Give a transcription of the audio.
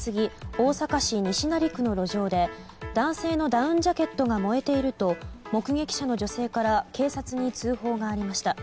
大阪市西成区の路上で男性のダウンジャケットが燃えていると目撃者の女性から警察に通報がありました。